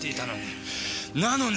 なのにだ！